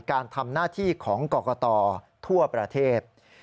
การทำหน้าที่ของกรกตทั่วประเทศ